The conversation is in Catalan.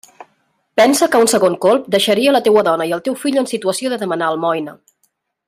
Pensa que un segon colp deixaria la teua dona i el teu fill en situació de demanar almoina.